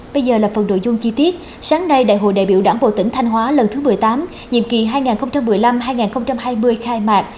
bây giờ là phần nội dung chi tiết sáng nay đại hội đại biểu đảng bộ tỉnh thanh hóa lần thứ một mươi tám nhiệm kỳ hai nghìn một mươi năm hai nghìn hai mươi khai mạc